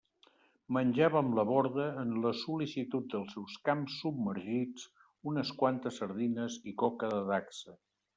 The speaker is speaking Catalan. Menjava amb la Borda, en la solitud dels seus camps submergits, unes quantes sardines i coca de dacsa.